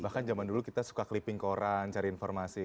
bahkan zaman dulu kita suka clipping koran cari informasi